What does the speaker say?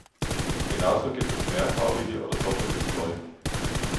Genauso gibt es mehrfarbige oder doppelte Säume.